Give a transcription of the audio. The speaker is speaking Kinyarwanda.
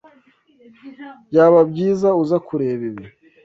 Byaba byiza uza kureba ibi.